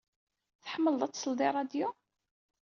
Tḥemmled ad tesled i ṛṛadyu?